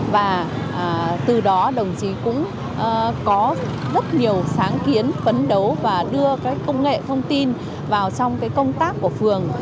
và từ đó đồng chí cũng có rất nhiều sáng kiến phấn đấu và đưa các công nghệ thông tin vào trong công tác của phường